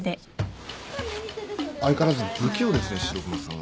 相変わらず不器用ですね